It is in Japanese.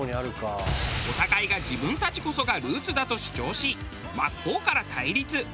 お互いが自分たちこそがルーツだと主張し真っ向から対立。